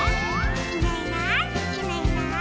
「いないいないいないいない」